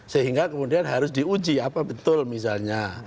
sehingga kemudian harus diuji apa betul misalnya